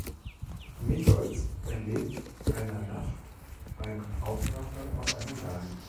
Nichols erlebt einer Nacht einen Raubüberfall auf einen Laden.